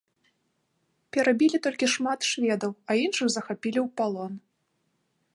Перабілі толькі шмат шведаў, а іншых захапілі ў палон.